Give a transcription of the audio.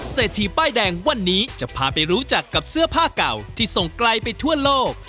เศรษฐีป้ายแดงวันนี้จะพาไปรู้จักกับเสื้อผ้าเก่าที่ส่งไกลไปทั่วโลก